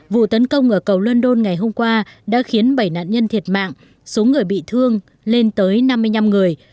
vụ tấn công ở cầu london ngày hôm qua đã khiến bảy nạn nhân thiệt mạng số người bị thương lên tới năm mươi năm người